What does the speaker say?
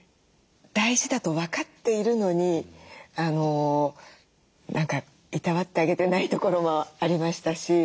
大事だと分かっているのにいたわってあげてないところもありましたし。